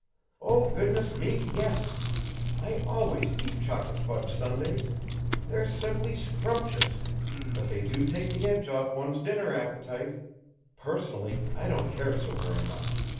"Oh, goodness me, yes! I always eat chocolate fudge sundaes. They're simply scrumptious but they do take the edge off one's dinner appetite. Personally, I don't care so very much.